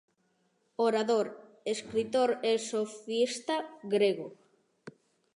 Orador, escritor e sofista grego.